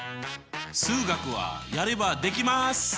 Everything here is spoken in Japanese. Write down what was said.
数学はやればできます！